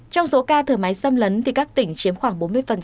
trong số ca thở máy xâm lấn thì các tỉnh chiếm khoảng bốn mươi